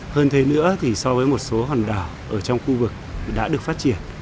hơn thế nữa thì so với một số hòn đảo ở trong khu vực đã được phát triển